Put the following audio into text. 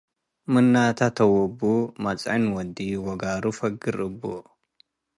ምናተ ተውቡ ወመጽዐን ወድዩ ወጋሩ ፈግር እቡ ።